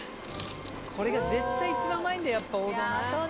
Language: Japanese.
これが絶対一番うまいんだやっぱ王道な。